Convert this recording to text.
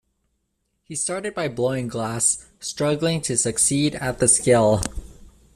He started by blowing glass, struggling to succeed at the skill.